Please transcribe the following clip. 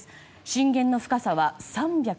震源の深さは３５０ｋｍ。